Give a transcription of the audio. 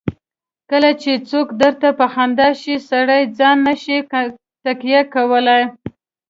کله چې څوک درته په خندا شي سړی ځان نه شي تکیه کولای.